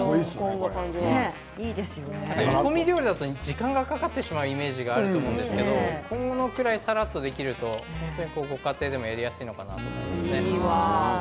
煮込み料理は時間がかかるイメージがあると思いますがこのぐらい、さらっとできるとご家庭でもやりやすいと思います。